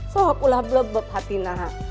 sok ulap lap berhatiinlah